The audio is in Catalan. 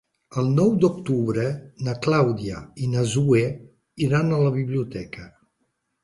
El nou d'octubre na Clàudia i na Zoè iran a la biblioteca.